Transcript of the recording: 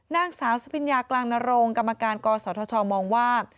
นางสาวสุพิญญากลางนโรงกศทมองว่า